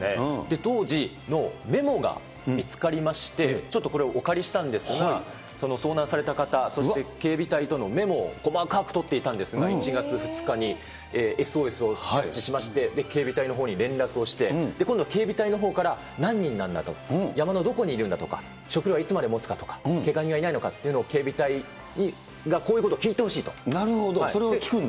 当時のメモが見つかりまして、ちょっとこれをお借りしたんですが、遭難された方、そして警備隊とのメモを細かく取っていたんですが、１月２日にＳＯＳを察知しまして、警備隊のほうに連絡して、今度、警備隊のほうから何人なんだと、山のどこにいるんだとか、食料はいつまでもつかとか、けが人はいないのかというのを警備隊がこういうことを聞いてほしそれを聞くんだ？